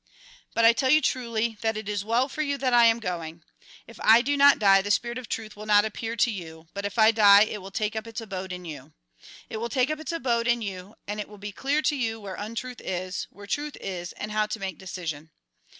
" But I tell you truly that it is well for you that I4Z THE GOSPEL IN BRIEF I am going. If I do not die, the spirit of truth will not appear to you, but if I die, it will take up its abode in you. It will take up its abode in you, and it will be clear to you where untruth is, where truth is, and how to make decision.